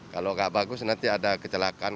kalau nggak bagus nanti ada kecelakaan